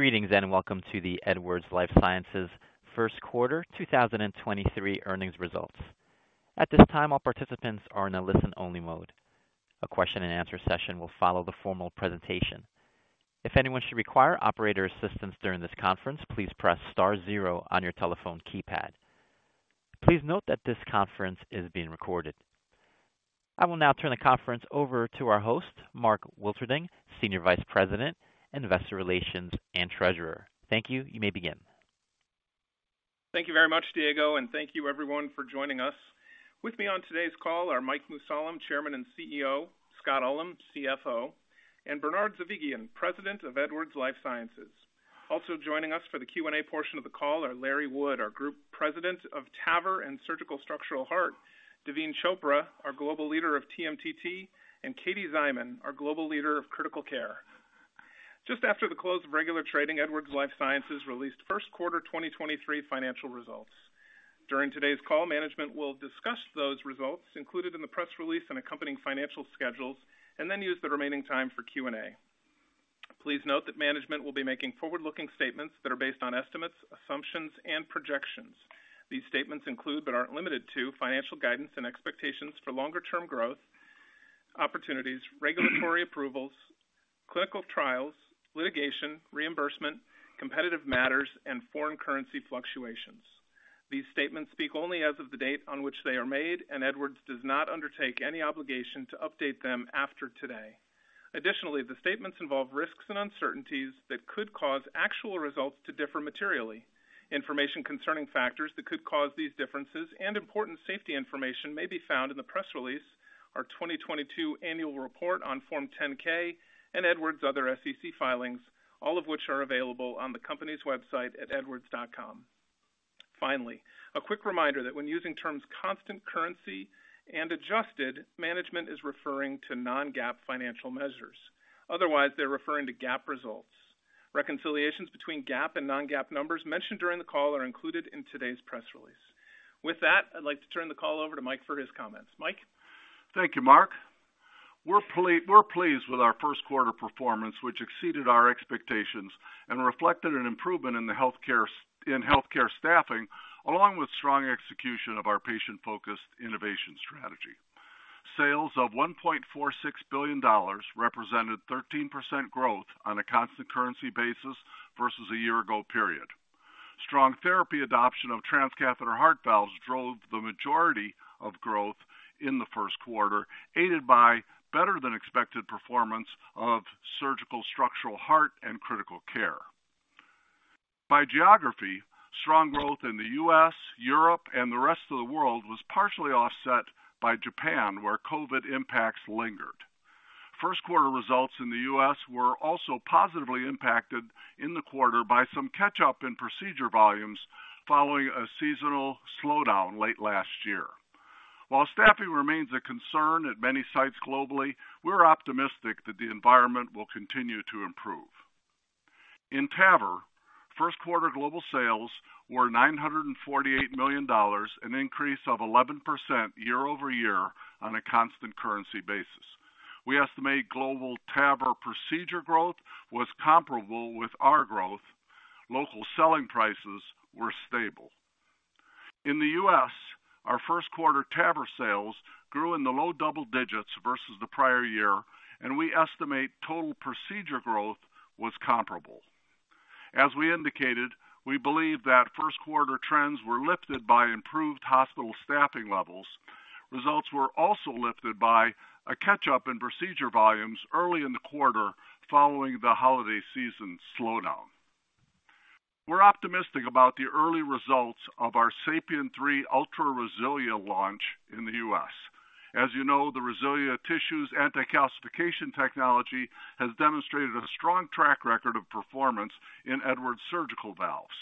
Greetings, and welcome to the Edwards Lifesciences Q1 2023 earnings results. At this time, all participants are in a listen-only mode. A question-and-answer session will follow the formal presentation. If anyone should require operator assistance during this conference, please press star zero on your telephone keypad. Please note that this conference is being recorded. I will now turn the conference over to our host, Mark Wilterding, Senior Vice President, Investor Relations, and Treasurer. Thank you. You may begin. Thank you very much, Diego, and thank you everyone for joining us. With me on today's call are Mike Mussallem, Chairman and CEO, Scott Ullem, CFO, and Bernard Zovighian, President of Edwards Lifesciences. Also joining us for the Q&A portion of the call are Larry Wood, our Group President of TAVR and Surgical Structural Heart, Daveen Chopra, our Global Leader of TMTT, and Katie Szyman, our Global Leader of Critical Care. Just after the close of regular trading, Edwards Lifesciences released 1st quarter 2023 financial results. During today's call, management will discuss those results included in the press release and accompanying financial schedules, and then use the remaining time for Q&A. Please note that management will be making forward-looking statements that are based on estimates, assumptions, and projections. These statements include, but aren't limited to, financial guidance and expectations for longer-term growth opportunities, regulatory approvals, clinical trials, litigation, reimbursement, competitive matters, and foreign currency fluctuations. These statements speak only as of the date on which they are made, and Edwards does not undertake any obligation to update them after today. Additionally, the statements involve risks and uncertainties that could cause actual results to differ materially. Information concerning factors that could cause these differences and important safety information may be found in the press release, our 2022 annual report on Form 10-K, and Edwards' other SEC filings, all of which are available on the company's website at edwards.com. Finally, a quick reminder that when using terms constant currency and adjusted, management is referring to non-GAAP financial measures. Otherwise, they're referring to GAAP results. Reconciliations between GAAP and non-GAAP numbers mentioned during the call are included in today's press release. With that, I'd like to turn the call over to Mike for his comments. Mike? Thank you, Mark. We're pleased with our Q1 performance, which exceeded our expectations and reflected an improvement in healthcare staffing, along with strong execution of our patient-focused innovation strategy. Sales of $1.46 billion represented 13% growth on a constant currency basis versus a year ago period. Strong therapy adoption of transcatheter heart valves drove the majority of growth in the Q1, aided by better-than-expected performance of surgical structural heart and critical care. By geography, strong growth in the U.S., Europe, and the rest of the world was partially offset by Japan, where COVID impacts lingered. Q1 results in the U.S. were also positively impacted in the quarter by some catch-up in procedure volumes following a seasonal slowdown late last year. While staffing remains a concern at many sites globally, we're optimistic that the environment will continue to improve. In TAVR, Q1 global sales were $948 million, an increase of 11% year-over-year on a constant currency basis. We estimate global TAVR procedure growth was comparable with our growth. Local selling prices were stable. In the U.S., our Q1 TAVR sales grew in the low double digits versus the prior year. We estimate total procedure growth was comparable. As we indicated, we believe that Q1 trends were lifted by improved hospital staffing levels. Results were also lifted by a catch-up in procedure volumes early in the quarter following the holiday season slowdown. We're optimistic about the early results of our SAPIEN 3 Ultra RESILIA launch in the U.S. As you know, the RESILIA tissues anti-calcification technology has demonstrated a strong track record of performance in Edwards surgical valves.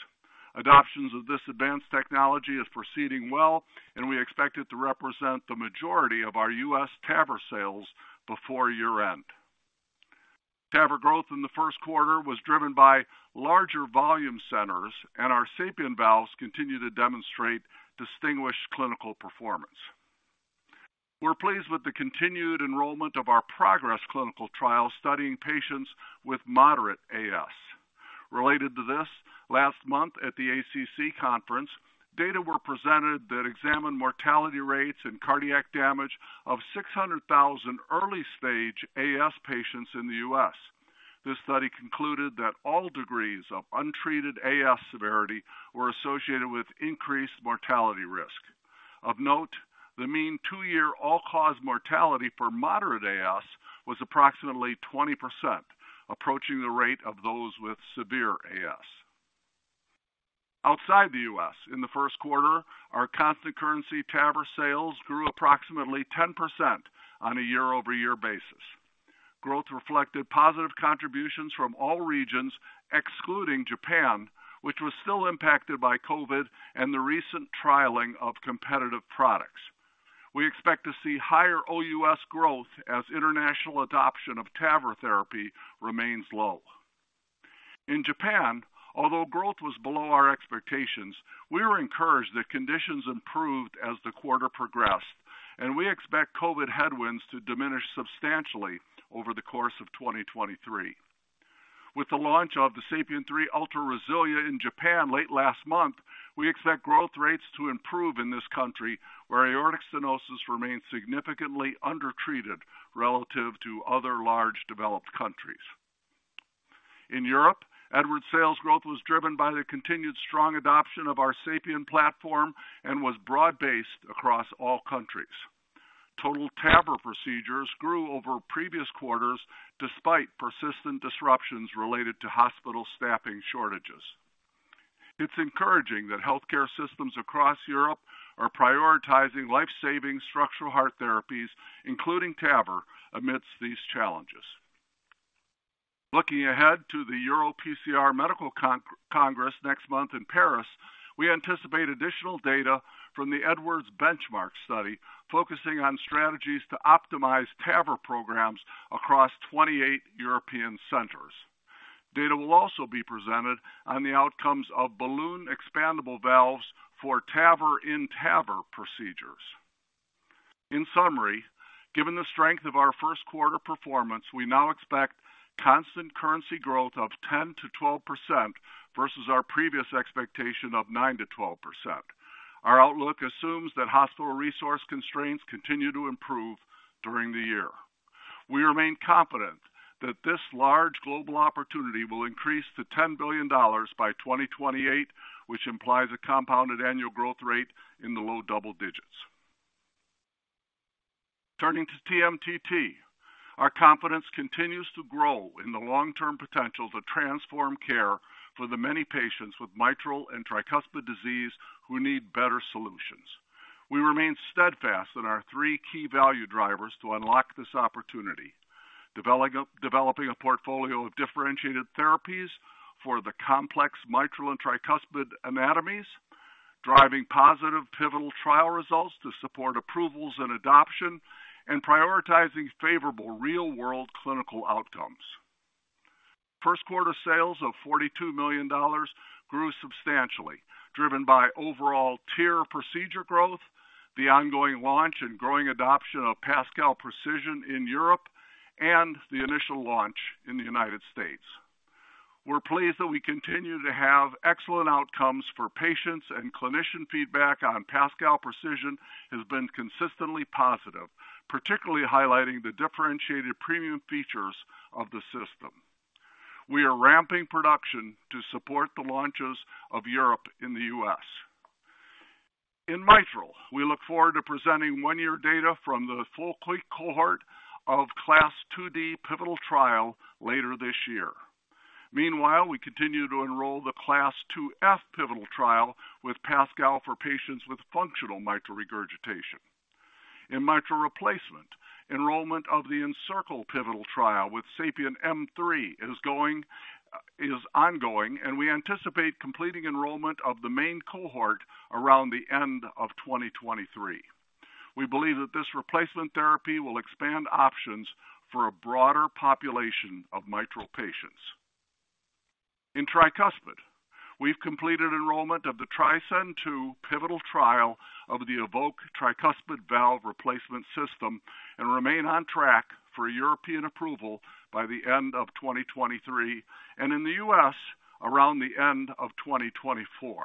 Adoptions of this advanced technology is proceeding well, and we expect it to represent the majority of our U.S. TAVR sales before year-end. TAVR growth in the Q1 was driven by larger volume centers, and our SAPIEN valves continue to demonstrate distinguished clinical performance. We're pleased with the continued enrollment of our PROGRESS clinical trial studying patients with moderate AS. Related to this, last month at the ACC conference, data were presented that examined mortality rates and cardiac damage of 600,000 early-stage AS patients in the U.S. This study concluded that all degrees of untreated AS severity were associated with increased mortality risk. Of note, the mean two-year all-cause mortality for moderate AS was approximately 20%, approaching the rate of those with severe AS. Outside the U.S., in the Q1, our constant currency TAVR sales grew approximately 10% on a year-over-year basis. Growth reflected positive contributions from all regions excluding Japan, which was still impacted by COVID and the recent trialing of competitive products. We expect to see higher OUS growth as international adoption of TAVR therapy remains low. In Japan, although growth was below our expectations, we were encouraged that conditions improved as the quarter progressed. We expect COVID headwinds to diminish substantially over the course of 2023. With the launch of the SAPIEN 3 Ultra RESILIA in Japan late last month, we expect growth rates to improve in this country where aortic stenosis remains significantly undertreated relative to other large, developed countries. In Europe, Edwards sales growth was driven by the continued strong adoption of our SAPIEN platform and was broad-based across all countries. Total TAVR procedures grew over previous quarters despite persistent disruptions related to hospital staffing shortages. It's encouraging that healthcare systems across Europe are prioritizing life-saving structural heart therapies, including TAVR, amidst these challenges. Looking ahead to the EuroPCR Medical Congress next month in Paris, we anticipate additional data from the Edwards Benchmark study focusing on strategies to optimize TAVR programs across 28 European centers. Data will also be presented on the outcomes of balloon-expandable valves for TAVR in TAVR procedures. In summary, given the strength of our Q1 performance, we now expect constant currency growth of 10 to 12% versus our previous expectation of 9 to 12%. Our outlook assumes that hospital resource constraints continue to improve during the year. We remain confident that this large global opportunity will increase to $10 billion by 2028, which implies a compounded annual growth rate in the low double digits. Turning to TMTT. Our confidence continues to grow in the long-term potential to transform care for the many patients with mitral and tricuspid disease who need better solutions. We remain steadfast in our three key value drivers to unlock this opportunity. Developing a portfolio of differentiated therapies for the complex mitral and tricuspid anatomies, driving positive pivotal trial results to support approvals and adoption, and prioritizing favorable real-world clinical outcomes. Q1 sales of $42 million grew substantially, driven by overall tear procedure growth, the ongoing launch and growing adoption of PASCAL Precision in Europe, and the initial launch in the United States. We're pleased that we continue to have excellent outcomes for patients, and clinician feedback on PASCAL Precision has been consistently positive, particularly highlighting the differentiated premium features of the system. We are ramping production to support the launches of Europe in the U.S. In mitral, we look forward to presenting one-year data from the full cohort of CLASP IID pivotal trial later this year. Meanwhile, we continue to enroll the CLASP IIF pivotal trial with PASCAL for patients with functional mitral regurgitation. In mitral replacement, enrollment of the ENCIRCLE pivotal trial with SAPIEN M3 is ongoing, and we anticipate completing enrollment of the main cohort around the end of 2023. We believe that this replacement therapy will expand options for a broader population of mitral patients. In tricuspid, we've completed enrollment of the TRISCEND II pivotal trial of the EVOQUE tricuspid valve replacement system and remain on track for European approval by the end of 2023, and in the U.S. around the end of 2024.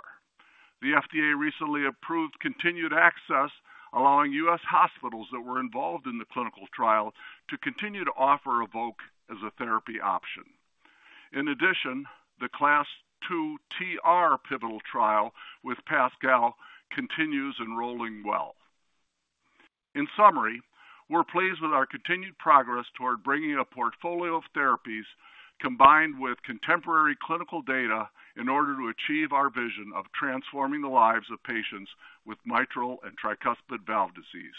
The FDA recently approved continued access, allowing U.S. hospitals that were involved in the clinical trial to continue to offer EVOQUE as a therapy option. In addition, the CLASP II TR pivotal trial with PASCAL continues enrolling well. In summary, we're pleased with our continued progress toward bringing a portfolio of therapies combined with contemporary clinical data in order to achieve our vision of transforming the lives of patients with mitral and tricuspid valve disease.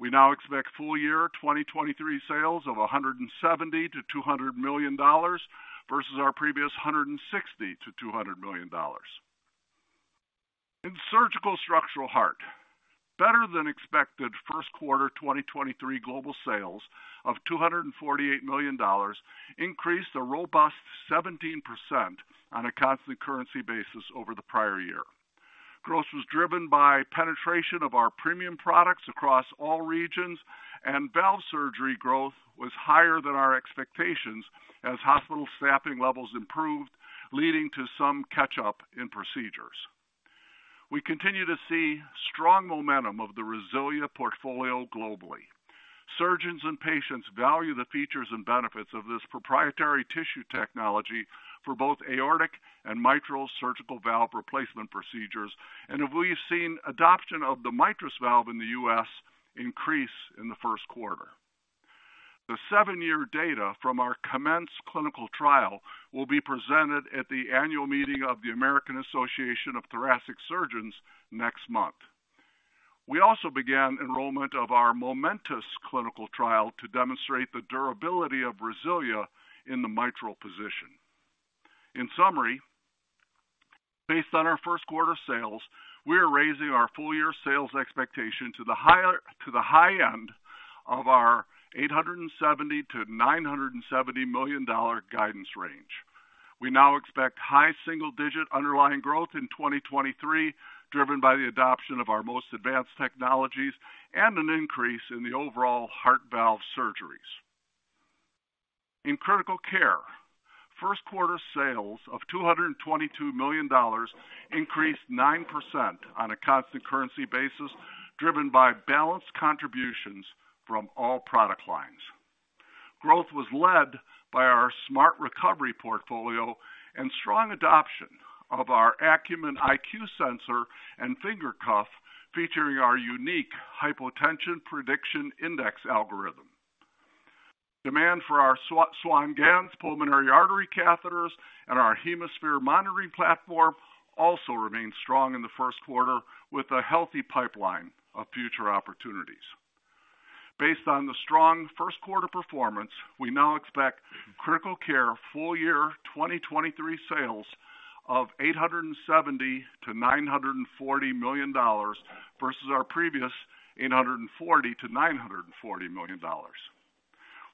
We now expect full year 2023 sales of $170 to 200 million versus our previous $160 to 200 million. In Surgical Structural Heart, better-than-expected Q1 2023 global sales of $248 million increased a robust 17% on a constant currency basis over the prior year. Growth was driven by penetration of our premium products across all regions, and valve surgery growth was higher than our expectations as hospital staffing levels improved, leading to some catch-up in procedures. We continue to see strong momentum of the RESILIA portfolio globally. Surgeons and patients value the features and benefits of this proprietary tissue technology for both aortic and mitral surgical valve replacement procedures, and we've seen adoption of the MITRIS valve in the U.S. increase in the Q1. The 7-year data from our COMMENCE clinical trial will be presented at the annual meeting of the American Association of Thoracic Surgeons next month. We also began enrollment of our MOMENTIS clinical trial to demonstrate the durability of RESILIA in the mitral position. In summary, based on our Q1 sales, we are raising our full year sales expectation to the high end of our $870 to 970 million guidance range. We now expect high single digit underlying growth in 2023, driven by the adoption of our most advanced technologies and an increase in the overall heart valve surgeries. In critical care, Q1 sales of $222 million increased 9% on a constant currency basis, driven by balanced contributions from all product lines. Growth was led by our Smart Recovery portfolio and strong adoption of our Acumen IQ sensor and finger cuff, featuring our unique Hypotension Prediction Index algorithm. Demand for our Swan-Ganz pulmonary artery catheters and our HemoSphere monitoring platform also remained strong in the Q1, with a healthy pipeline of future opportunities. Based on the strong Q1 performance, we now expect critical care full year 2023 sales of $870 to 940 million versus our previous $840 to 940 million.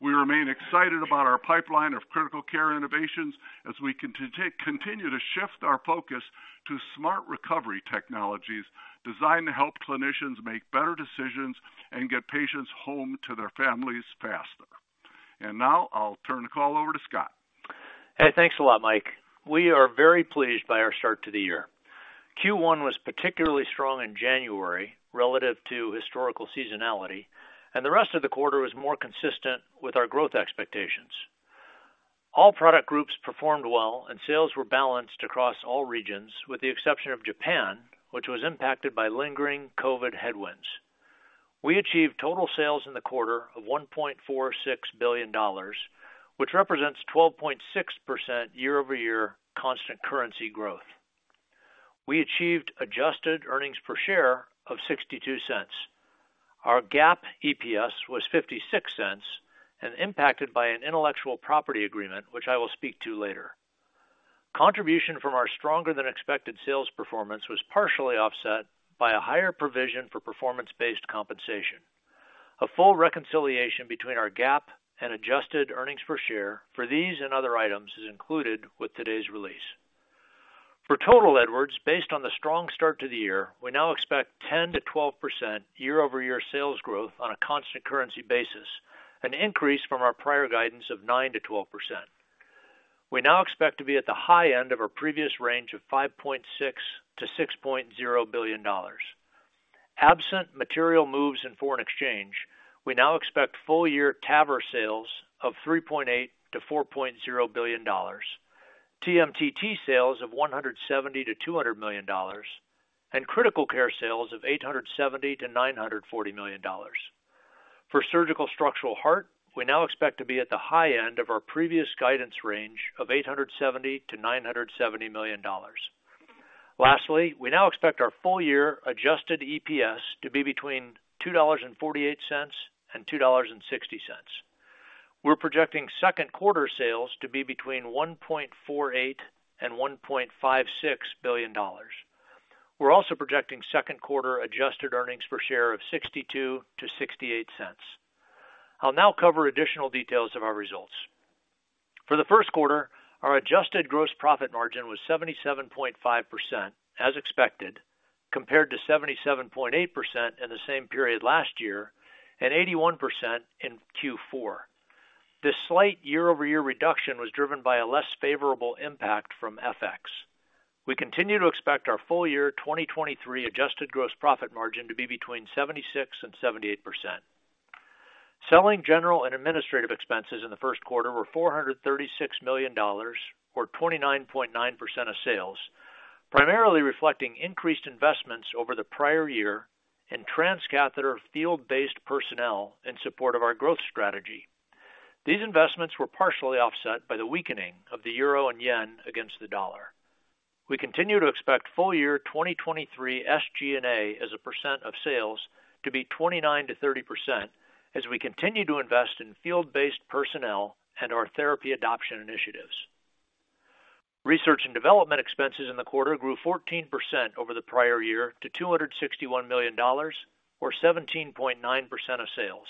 We remain excited about our pipeline of critical care innovations as we continue to shift our focus to Smart Recovery technologies designed to help clinicians make better decisions and get patients home to their families faster. Now I'll turn the call over to Scott. Hey, thanks a lot, Mike. We are very pleased by our start to the year. Q1 was particularly strong in January relative to historical seasonality. The rest of the quarter was more consistent with our growth expectations. All product groups performed well. Sales were balanced across all regions, with the exception of Japan, which was impacted by lingering COVID headwinds. We achieved total sales in the quarter of $1.46 billion, which represents 12.6% year-over-year constant currency growth. We achieved adjusted earnings per share of $0.62. Our GAAP EPS was $0.56, impacted by an intellectual property agreement, which I will speak to later. Contribution from our stronger than expected sales performance was partially offset by a higher provision for performance-based compensation. A full reconciliation between our GAAP and adjusted earnings per share for these and other items is included with today's release. For total Edwards, based on the strong start to the year, we now expect 10 to 12% year-over-year sales growth on a constant currency basis, an increase from our prior guidance of 9 to 12%. We now expect to be at the high end of our previous range of $5.6 to 6.0 billion. Absent material moves in foreign exchange, we now expect full year TAVR sales of $3.8 to 4.0 billion, TMTT sales of $170 to 200 million, and Critical Care sales of $870 to 940 million. For surgical structural heart, we now expect to be at the high end of our previous guidance range of $870 to 970 million. Lastly, we now expect our full year adjusted EPS to be between $2.48 and $2.60. We're projecting Q2 sales to be between $1.48 billion and $1.56 billion. We're also projecting Q2 adjusted earnings per share of $0.62 to 0.68. I'll now cover additional details of our results. For the Q1, our adjusted gross profit margin was 77.5% as expected, compared to 77.8% in the same period last year and 81% in Q4. This slight year-over-year reduction was driven by a less favorable impact from FX. We continue to expect our full year 2023 adjusted gross profit margin to be between 76 to 78%. Selling, general, and administrative expenses in the Q1 were $436 million, or 29.9% of sales, primarily reflecting increased investments over the prior year in transcatheter field-based personnel in support of our growth strategy. These investments were partially offset by the weakening of the euro and yen against the dollar. We continue to expect full year 2023 SG&A as a percent of sales to be 29 to 30% as we continue to invest in field-based personnel and our therapy adoption initiatives. Research and development expenses in the quarter grew 14% over the prior year to $261 million or 17.9% of sales.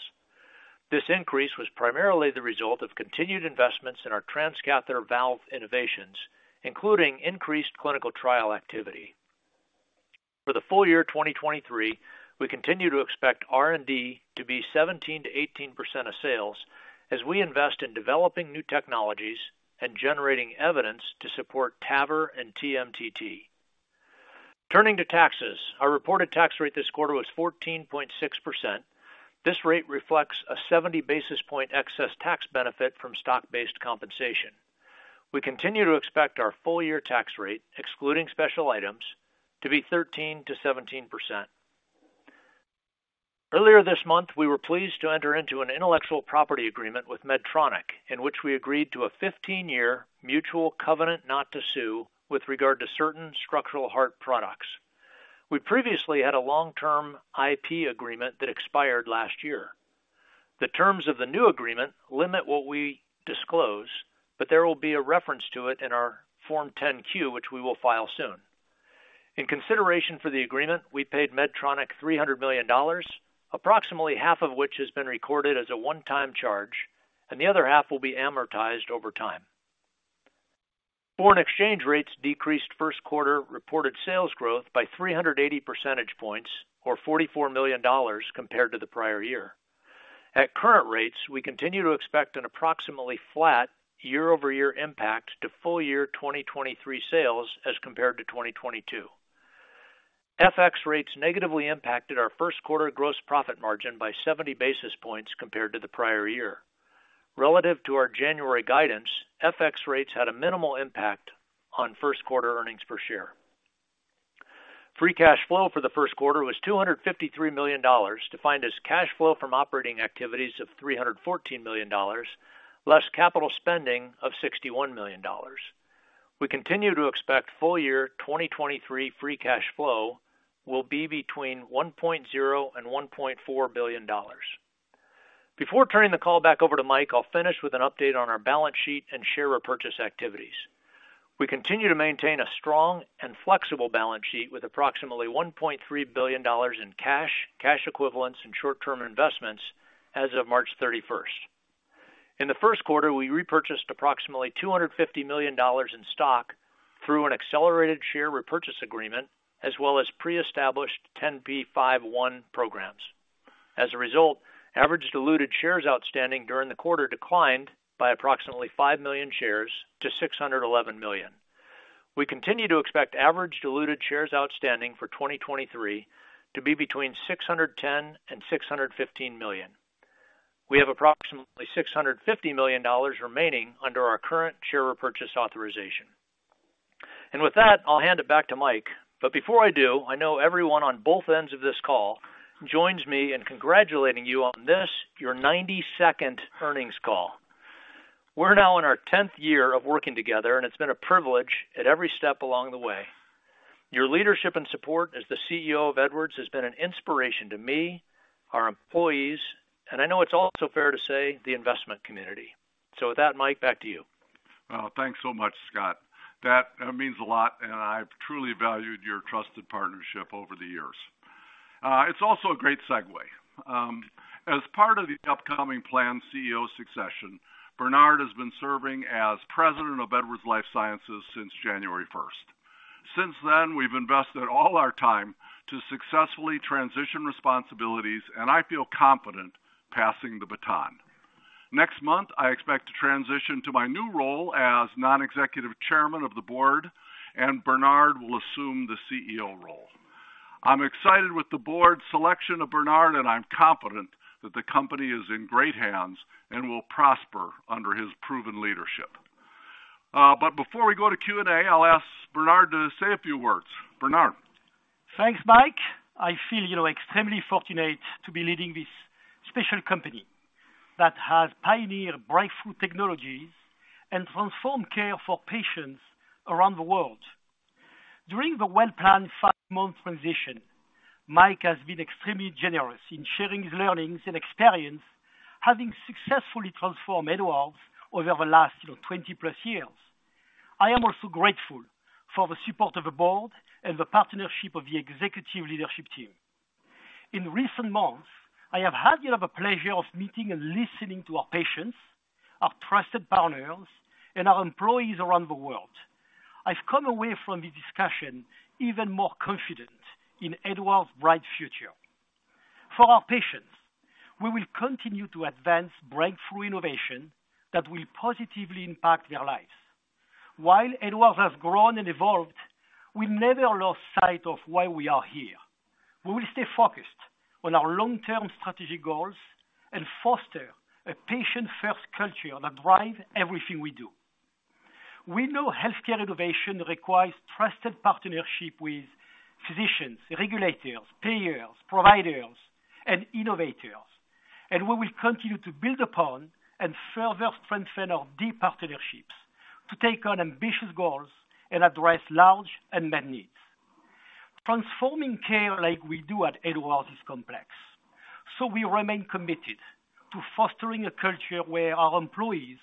This increase was primarily the result of continued investments in our transcatheter valve innovations, including increased clinical trial activity. For the full year 2023, we continue to expect R&D to be 17 to 18% of sales as we invest in developing new technologies and generating evidence to support TAVR and TMTT. Turning to taxes. Our reported tax rate this quarter was 14.6%. This rate reflects a 70-basis point excess tax benefit from stock-based compensation. We continue to expect our full year tax rate, excluding special items, to be 13 to 17%. Earlier this month, we were pleased to enter into an intellectual property agreement with Medtronic, in which we agreed to a 15-year mutual covenant not to sue with regard to certain structural heart products. We previously had a long-term IP agreement that expired last year. The terms of the new agreement limit what we disclose. There will be a reference to it in our Form 10-Q, which we will file soon. In consideration for the agreement, we paid Medtronic $300 million, approximately half of which has been recorded as a one-time charge, and the other half will be amortized over time. Foreign exchange rates decreased Q1 reported sales growth by 380 percentage points, or $44 million compared to the prior year. At current rates, we continue to expect an approximately flat year-over-year impact to full year 2023 sales as compared to 2022. FX rates negatively impacted our Q1 gross profit margin by 70 basis points compared to the prior year. Relative to our January guidance, FX rates had a minimal impact on Q1 earnings per share. Free cash flow for the Q1 was $253 million, defined as cash flow from operating activities of $314 million, less capital spending of $61 million. We continue to expect full year 2023 free cash flow will be between $1.0 billion and $1.4 billion. Before turning the call back over to Mike Mussallem, I'll finish with an update on our balance sheet and share repurchase activities. We continue to maintain a strong and flexible balance sheet with approximately $1.3 billion in cash equivalents and short-term investments as of March 31st. In the Q1, we repurchased approximately $250 million in stock through an accelerated share repurchase agreement, as well as pre-established 10b5-1 programs. As a result, average diluted shares outstanding during the quarter declined by approximately 5 million shares to 611 million. We continue to expect average diluted shares outstanding for 2023 to be between 610 million and 615 million. We have approximately $650 million remaining under our current share repurchase authorization. With that, I'll hand it back to Mike. Before I do, I know everyone on both ends of this call joins me in congratulating you on this, your 92nd earnings call. We're now in our 10th year of working together, and it's been a privilege at every step along the way. Your leadership and support as the CEO of Edwards has been an inspiration to me, our employees, and I know it's also fair to say, the investment community. With that, Mike, back to you. Well, thanks so much, Scott. That means a lot, and I've truly valued your trusted partnership over the years. It's also a great segue. As part of the upcoming planned CEO succession, Bernard has been serving as President of Edwards Lifesciences since January first. Since then, we've invested all our time to successfully transition responsibilities, and I feel confident passing the baton. Next month, I expect to transition to my new role as non-executive Chairman of the Board, and Bernard will assume the CEO role. I'm excited with the board's selection of Bernard, and I'm confident that the company is in great hands and will prosper under his proven leadership. Before we go to Q&A, I'll ask Bernard to say a few words. Bernard. Thanks, Mike. I feel extremely fortunate to be leading this special company that has pioneered breakthrough technologies and transformed care for patients around the world. During the well-planned five-month transition, Mike has been extremely generous in sharing his learnings and experience, having successfully transformed Edwards over the last 20-plus years. I am also grateful for the support of the board and the partnership of the executive leadership team. In recent months, I have had the pleasure of meeting and listening to our patients, our trusted partners, and our employees around the world. I've come away from the discussion even more confident in Edwards' bright future. For our patients, we will continue to advance breakthrough innovation that will positively impact their lives. While Edwards has grown and evolved, we never lost sight of why we are here. We will stay focused on our long-term strategic goals and foster a patient-first culture that drive everything we do. We know healthcare innovation requires trusted partnership with physicians, regulators, payers, providers, and innovators, we will continue to build upon and further strengthen our deep partnerships to take on ambitious goals and address large unmet needs. Transforming care like we do at Edwards is complex, we remain committed to fostering a culture where our employees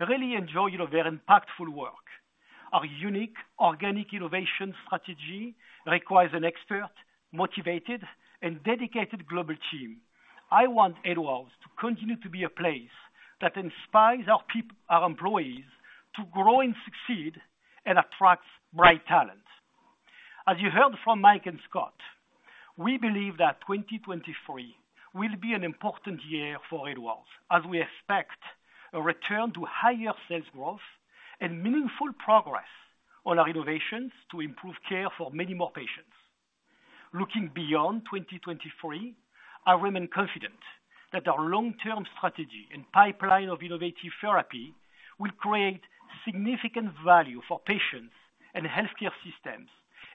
really enjoy their impactful work. Our unique organic innovation strategy requires an expert, motivated, and dedicated global team. I want Edwards to continue to be a place that inspires our employees to grow and succeed and attracts bright talent. As you heard from Mike and Scott, we believe that 2023 will be an important year for Edwards as we expect a return to higher sales growth and meaningful progress on our innovations to improve care for many more patients. Looking beyond 2023, I remain confident that our long-term strategy and pipeline of innovative therapy will create significant value for patients and healthcare systems,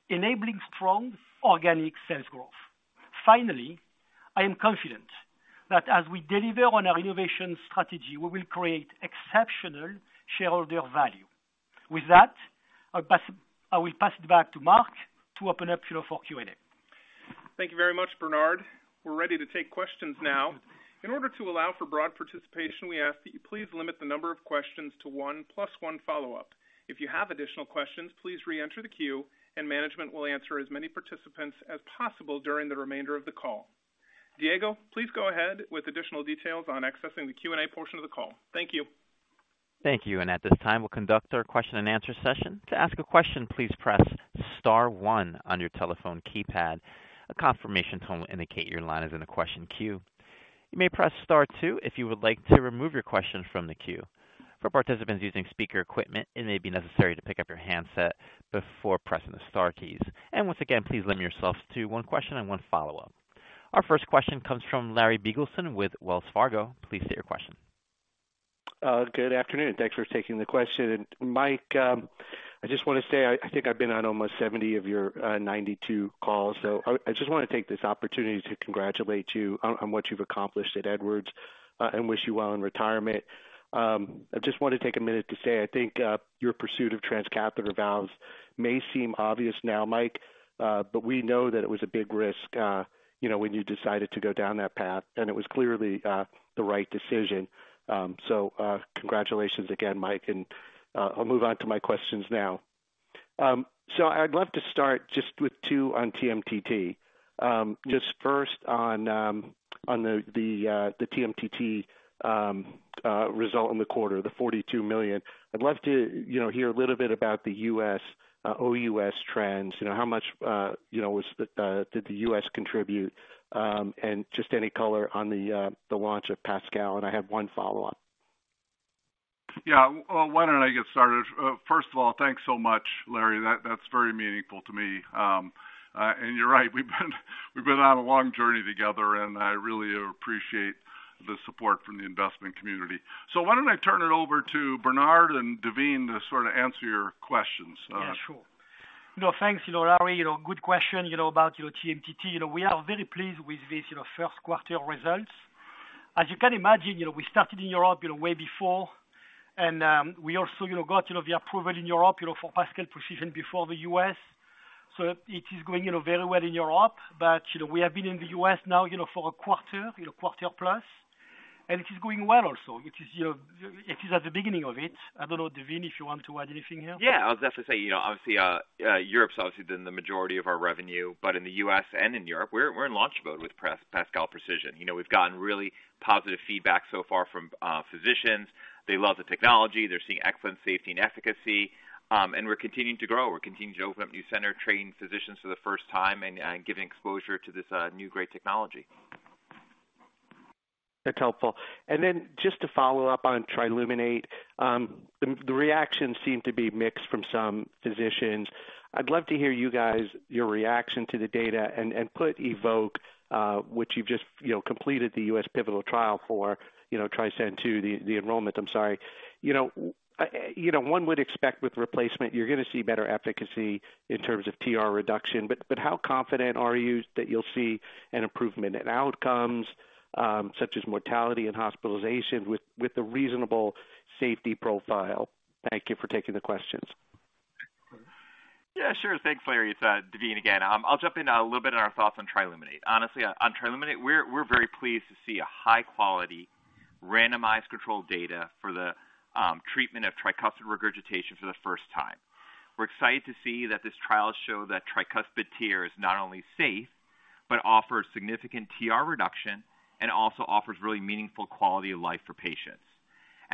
enabling strong organic sales growth. Finally, I am confident that as we deliver on our innovation strategy, we will create exceptional shareholder value. With that, I will pass it back to Mark to open up the floor for Q&A. Thank you very much, Bernard. We're ready to take questions now. In order to allow for broad participation, we ask that you please limit the number of questions to one plus one follow-up. If you have additional questions, please reenter the queue, and management will answer as many participants as possible during the remainder of the call. Diego, please go ahead with additional details on accessing the Q&A portion of the call. Thank you. Thank you. At this time, we'll conduct our question and answer session. To ask a question, please press star one on your telephone keypad. A confirmation tone will indicate your line is in the question queue. You may press star two if you would like to remove your question from the queue. For participants using speaker equipment, it may be necessary to pick up your handset before pressing the star keys. Once again, please limit yourself to one question and one follow-up. Our first question comes from Larry Biegelsen with Wells Fargo. Please state your question. Good afternoon. Thanks for taking the question. Mike, I just wanna say I think I've been on almost 70 of your 92 calls. I just wanna take this opportunity to congratulate you on what you've accomplished at Edwards and wish you well in retirement. I just wanna take a minute to say I think your pursuit of transcatheter valves may seem obvious now, Mike, but we know that it was a big risk, you know, when you decided to go down that path, and it was clearly the right decision. Congratulations again, Mike, and I'll move on to my questions now. I'd love to start just with two on TMTT. Just first on the TMTT result in the quarter, the $42 million. I'd love to, you know, hear a little bit about the US, OUS trends. You know, how much, you know, did the US contribute, and just any color on the launch of PASCAL, and I have one follow-up. Yeah. Well, why don't I get started? First of all, thanks so much, Larry. That's very meaningful to me. You're right, we've been on a long journey together, and I really appreciate the support from the investment community. Why don't I turn it over to Bernard and Daveen to sort of answer your questions. Sure. No, thanks, you know, Larry. You know, good question, you know, about your TMTT. You know, we are very pleased with this, you know, Q1 results. As you can imagine, you know, we started in Europe, you know, way before, and we also, you know, got, you know, the approval in Europe, you know, for PASCAL Precision before the U.S. It is going, you know, very well in Europe, but, you know, we have been in the U.S. now, you know, for a quarter, you know, quarter plus, and it is going well also. It is at the beginning of it. I don't know, Daveen, if you want to add anything here. Yeah. I'll definitely say, you know, obviously, Europe's obviously been the majority of our revenue, in the U.S. and in Europe, we're in launch mode with PASCAL Precision. You know, we've gotten really positive feedback so far from physicians. They love the technology. They're seeing excellent safety and efficacy. We're continuing to grow. We're continuing to open up new center, training physicians for the first time and giving exposure to this new great technology. That's helpful. Just to follow up on TRILUMINATE, the reactions seem to be mixed from some physicians. I'd love to hear you guys, your reaction to the data and put EVOQUE, which you've just, you know, completed the US pivotal trial for, you know, TRISCEND II, the enrollment, I'm sorry. You know, you know, one would expect with replacement, you're gonna see better efficacy in terms of TR reduction, but how confident are you that you'll see an improvement in outcomes, such as mortality and hospitalization with a reasonable safety profile? Thank you for taking the questions. Yeah, sure. Thanks, Larry. It's Daveen again. I'll jump in a little bit on our thoughts on TRILUMINATE. Honestly on TRILUMINATE, we're very pleased to see a high quality randomized controlled data for the treatment of tricuspid regurgitation for the first time. We're excited to see that this trial show that tricuspid TR is not only safe, but offers significant TR reduction and also offers really meaningful quality of life for patients.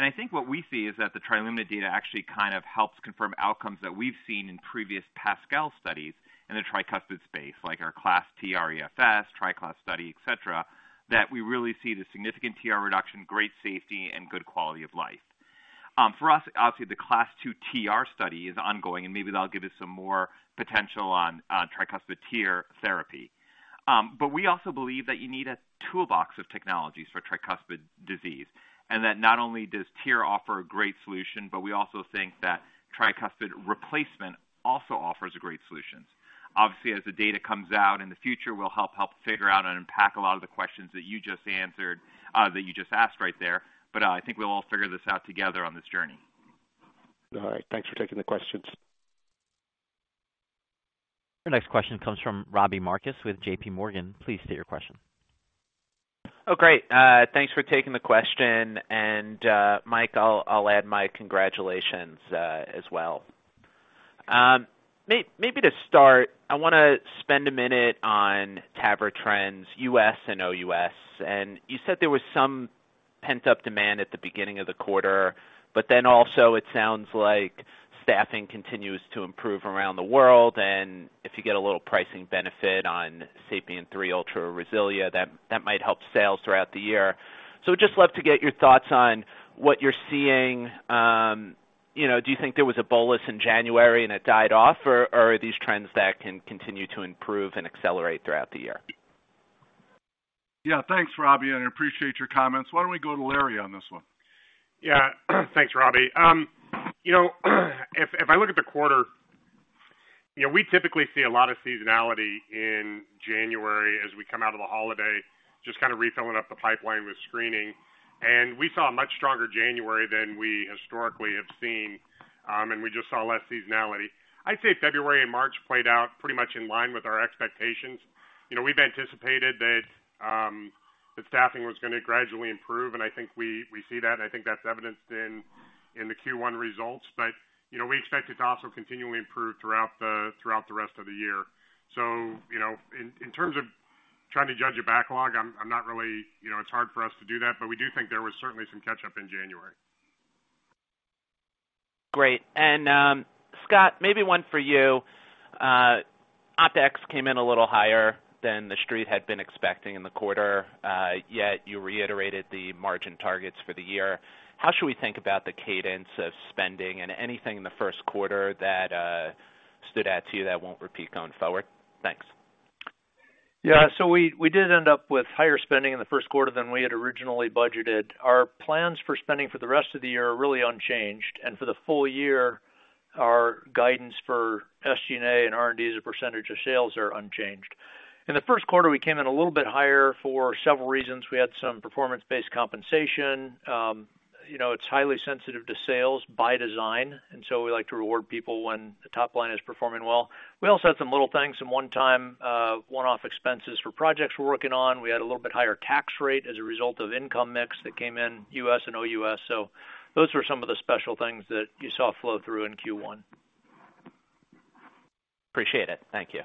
I think what we see is that the TRILUMINATE data actually kind of helps confirm outcomes that we've seen in previous PASCAL studies in the tricuspid space, like our CLASP TR EFS, TriCLASP study, et cetera, that we really see the significant TR reduction, great safety, and good quality of life. For us, obviously, the CLASP II TR study is ongoing, and maybe that'll give you some more potential on tricuspid TIR therapy. We also believe that you need a toolbox of technologies for tricuspid disease, and that not only does TIR offer a great solution, but we also think that tricuspid replacement also offers a great solution. Obviously, as the data comes out in the future, we'll help figure out and unpack a lot of the questions that you just answered, that you just asked right there, but I think we'll all figure this out together on this journey. All right. Thanks for taking the questions. Our next question comes from Robbie Marcus with J.P. Morgan. Please state your question. Great. Thanks for taking the question, and Mike, I'll add my congratulations as well. Maybe to start, I wanna spend a minute on TAVR Trends, U.S. and OUS. You said there was some pent-up demand at the beginning of the quarter, but then also it sounds like staffing continues to improve around the world, and if you get a little pricing benefit on SAPIEN 3 Ultra or RESILIA, that might help sales throughout the year. Just love to get your thoughts on what you're seeing. You know, do you think there was a bolus in January and it died off? Or are these trends that can continue to improve and accelerate throughout the year? Yeah. Thanks, Robbie, and I appreciate your comments. Why don't we go to Larry on this one? Thanks, Robbie. You know, if I look at the quarter, you know, we typically see a lot of seasonality in January as we come out of the holiday, just kind of refilling up the pipeline with screening. We saw a much stronger January than we historically have seen. We just saw less seasonality. I'd say February and March played out pretty much in line with our expectations. You know, we've anticipated that the staffing was gonna gradually improve, and I think we see that, and I think that's evidenced in the Q1 results. You know, we expect it to also continually improve throughout the rest of the year. You know, in terms of trying to judge a backlog, it's hard for us to do that, but we do think there was certainly some catch up in January. Great. Scott, maybe one for you. OpEx came in a little higher than the street had been expecting in the quarter, yet you reiterated the margin targets for the year. How should we think about the cadence of spending and anything in the Q1 that stood out to you that won't repeat going forward? Thanks. Yeah. We did end up with higher spending in the Q1 than we had originally budgeted. Our plans for spending for the rest of the year are really unchanged. For the full year, our guidance for SG&A and R&D as a percentage of sales are unchanged. In the Q1, we came in a little bit higher for several reasons. We had some performance-based compensation. You know, it's highly sensitive to sales by design, we like to reward people when the top line is performing well. We also had some little things, some one-time, one-off expenses for projects we're working on. We had a little bit higher tax rate as a result of income mix that came in U.S. and OUS. Those were some of the special things that you saw flow through in Q1. Appreciate it. Thank you.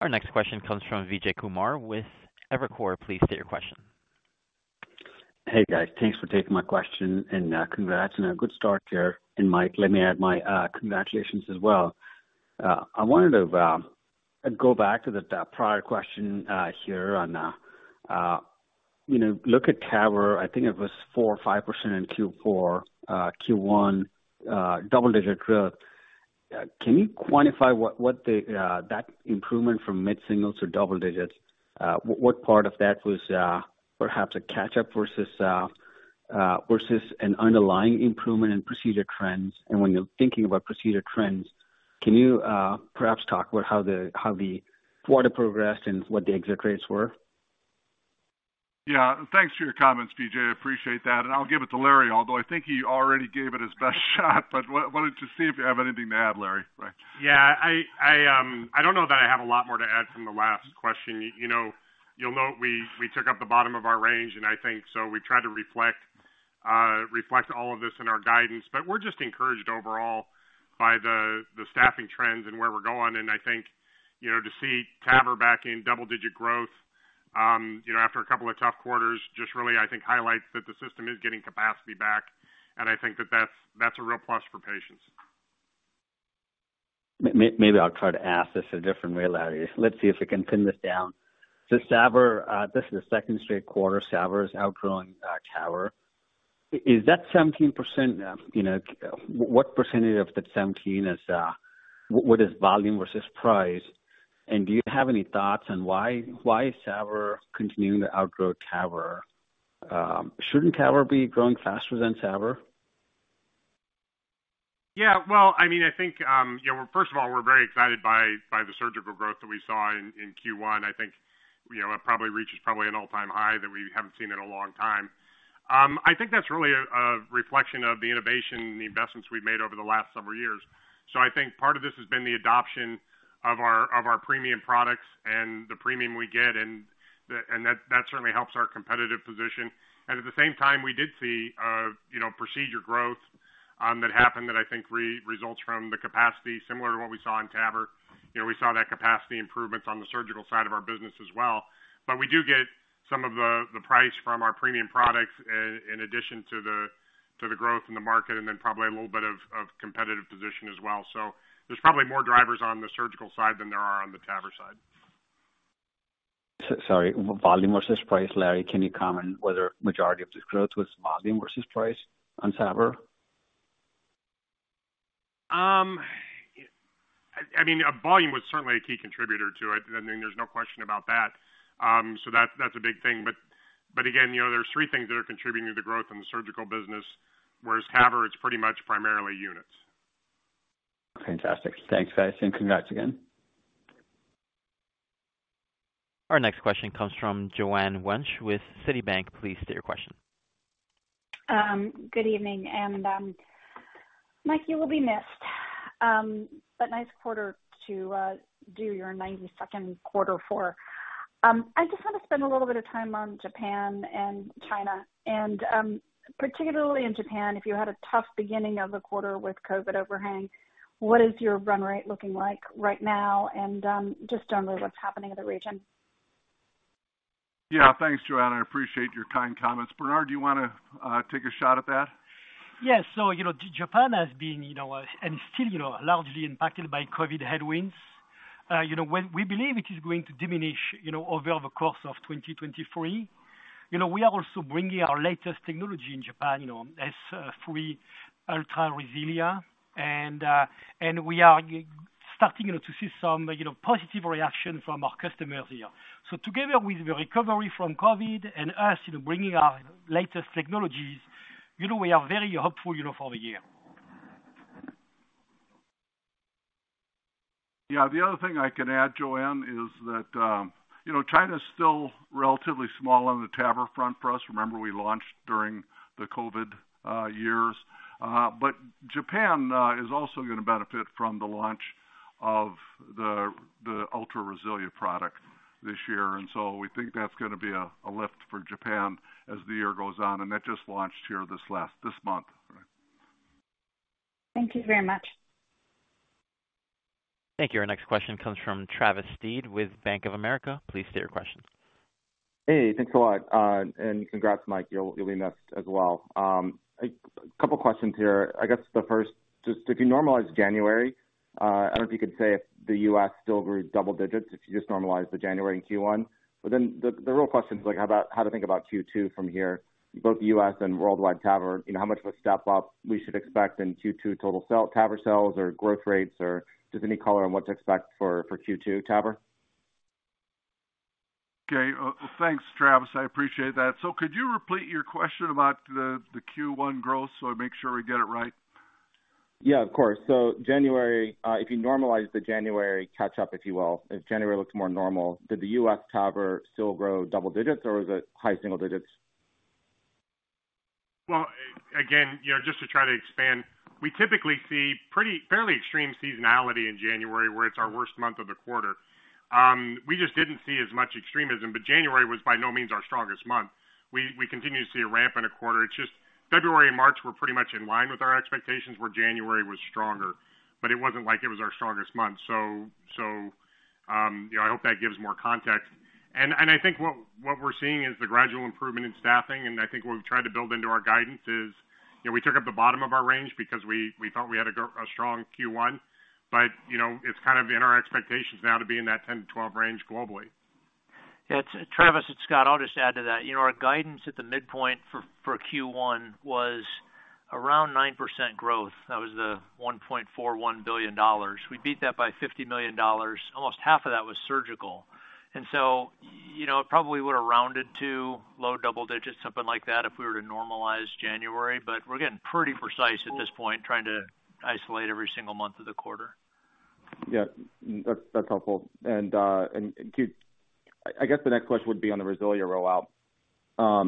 Our next question comes from Vijay Kumar with Evercore. Please state your question. Hey, guys. Thanks for taking my question. Congrats on a good start here. Mike, let me add my congratulations as well. I wanted to go back to the prior question here on, you know, look at TAVR. I think it was 4% or 5% in Q4. Q1, double-digit growth. Can you quantify what the that improvement from mid-single to double digits, what part of that was perhaps a catch-up versus versus an underlying improvement in procedure trends? When you're thinking about procedure trends, can you perhaps talk about how the quarter progressed and what the exit rates were? Yeah. Thanks for your comments, Vijay. I appreciate that. I'll give it to Larry, although I think he already gave it his best shot. Wanted to see if you have anything to add, Larry. Yeah. I don't know that I have a lot more to add from the last question. You know, you'll note we took up the bottom of our range, and I think so we've tried to reflect all of this in our guidance. We're just encouraged overall by the staffing trends and where we're going. I think, you know, to see TAVR back in double-digit growth, you know, after a couple of tough quarters, just really, I think highlights that the system is getting capacity back, and I think that that's a real plus for patients. Maybe I'll try to ask this a different way, Larry. Let's see if we can pin this down. SAVR, this is the second straight quarter SAVR is outgrowing TAVR. Is that 17%, you know? What percentage of that 17 is what is volume versus price? Do you have any thoughts on why is SAVR continuing to outgrow TAVR? Shouldn't TAVR be growing faster than SAVR? Yeah. Well, I mean, I think, you know, first of all, we're very excited by the surgical growth that we saw in Q1. I think, you know, it reaches probably an all-time high that we haven't seen in a long time. I think that's really a reflection of the innovation and the investments we've made over the last several years. I think part of this has been the adoption of our premium products and the premium we get, and that certainly helps our competitive position. At the same time, we did see, you know, procedure growth that happened that I think results from the capacity similar to what we saw in TAVR. You know, we saw that capacity improvements on the surgical side of our business as well. We do get some of the price from our premium products in addition to the growth in the market and then probably a little bit of competitive position as well. There's probably more drivers on the surgical side than there are on the TAVR side. Sorry. Volume versus price. Larry, can you comment whether majority of this growth was volume versus price on TAVR? I mean, volume was certainly a key contributor to it. I mean, there's no question about that. That's a big thing. Again, you know, there's three things that are contributing to the growth in the surgical business, whereas TAVR, it's pretty much primarily units. Fantastic. Thanks, guys, and congrats again. Our next question comes from Joanne Wuensch with Citigroup. Please state your question. Good evening, and Mike, you will be missed. Nice quarter to do your 92nd quarter for. I just wanna spend a little bit of time on Japan and China, and particularly in Japan, if you had a tough beginning of the quarter with COVID overhang, what is your run rate looking like right now? Just generally what's happening in the region. Yeah. Thanks, Joanne. I appreciate your kind comments. Bernard, do you wanna take a shot at that? Yes. So, you know, Japan has been, you know, and still, you know, largely impacted by COVID headwinds. You know, we believe it is going to diminish, you know, over the course of 2023. You know, we are also bringing our latest technology in Japan, you know, S3 Ultra RESILIA. We are starting to see some, you know, positive reactions from our customers here. Together with the recovery from COVID and us, you know, bringing our latest technologies, you know, we are very hopeful, you know, for the year. Yeah. The other thing I can add, Joanne, is that, you know, China is still relatively small on the TAVR front for us. Remember we launched during the COVID years. But Japan is also gonna benefit from the launch of the Ultra RESILIA product this year. We think that's gonna be a lift for Japan as the year goes on. That just launched here this month. Thank you very much. Thank you. Our next question comes from Travis Steed with Bank of America. Please state your question. Hey, thanks a lot. Congrats, Mike. You'll be missed as well. 2 questions here. I guess the first, just if you normalize January, I don't know if you could say if the U.S. still grew double digits if you just normalize the January in Q1. The real question is like, how to think about Q2 from here, both U.S. and worldwide TAVR? You know, how much of a step up we should expect in Q2 TAVR sales or growth rates, or just any color on what to expect for Q2 TAVR. Okay. Thanks, Travis. I appreciate that. Could you replete your question about the Q1 growth so I make sure we get it right? Yeah, of course. January, if you normalize the January catch up, if you will, if January looks more normal, did the U.S. TAVR still grow double digits or was it high single digits? Well, again, you know, just to try to expand, we typically see pretty fairly extreme seasonality in January, where it's our worst month of the quarter. We just didn't see as much extremism, January was by no means our strongest month. We continue to see a ramp in a quarter. It's just February and March were pretty much in line with our expectations, where January was stronger, but it wasn't like it was our strongest month. You know, I hope that gives more context. I think what we're seeing is the gradual improvement in staffing, and I think what we've tried to build into our guidance is, you know, we took up the bottom of our range because we thought we had a strong Q1. You know, it's kind of in our expectations now to be in that 10-12 range globally. Yeah. Travis, it's Scott. I'll just add to that. You know, our guidance at the midpoint for Q1 was around 9% growth. That was the $1.41 billion. We beat that by $50 million. Almost half of that was surgical. You know, it probably would have rounded to low double digits, something like that, if we were to normalize January. We're getting pretty precise at this point, trying to isolate every single month of the quarter. Yeah. That's helpful. Keith, I guess the next question would be on the RESILIA rollout,